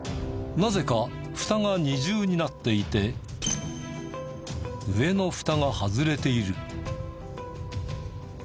なぜかフタが二重になっていて上のフタが外れている。